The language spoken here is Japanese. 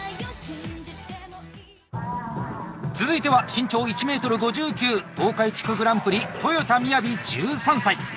続いては身長１ｍ５９東海地区グランプリ豊田雅１３歳。